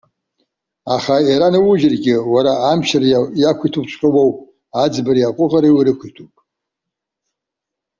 Аха, иранауыжьыргьы, уара амчра иақәиҭуҵәҟьа уоуп, аӡбареи аҟәыӷареи урықәиҭуп.